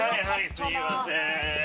すいません。